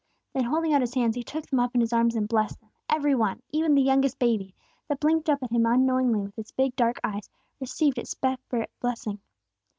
Then holding out His hands He took them up in His arms and blessed them, every one, even the youngest baby, that blinked up at Him unknowingly with its big dark eyes, received its separate blessing.